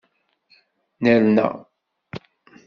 Nerna.